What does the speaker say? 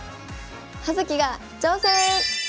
「葉月が挑戦！」。